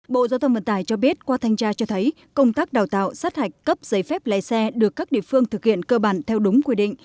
bộ giao thông vận tải cho biết qua thanh tra cho thấy công tác đào tạo sát hạch cấp giấy phép lái xe được các địa phương thực hiện cơ bản theo đúng quy định